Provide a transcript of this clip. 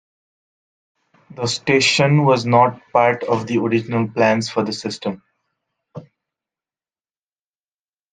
The station was not part of the original plans for the system.